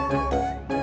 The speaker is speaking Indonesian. nusantara yang sakit mah